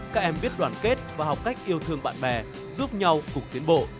các em biết đoàn kết và học cách yêu thương bạn bè giúp nhau cục tiến bộ